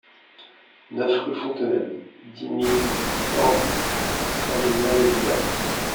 neuf rue Fontenelle, dix mille huit cents Saint-Julien-les-Villas